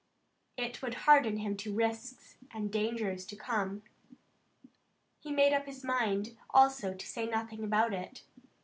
It would harden him to risks and dangers to come. He made up his mind, also, to say nothing about it.